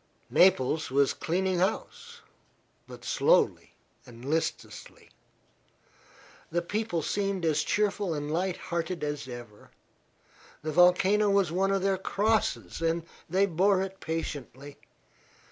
Naples was cleaning house, but slowly and listlessly. The people seemed as cheerful and light hearted as ever. The volcano was one of their crosses, and they bore it patiently.